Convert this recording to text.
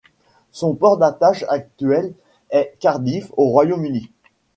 Son port d'attache actuel est Cardiff au Royaume-Uni.